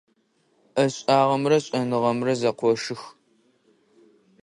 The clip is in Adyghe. Ӏэшӏагъэмрэ шӏэныгъэмрэ зэкъошых.